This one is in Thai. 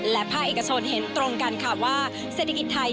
และภาคเอกชนเห็นตรงกันค่ะว่าเศรษฐกิจไทย